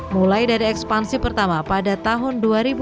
mulai dari ekspansi pertama pada tahun dua ribu dua